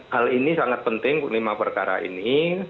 hal ini sangat penting lima perkara ini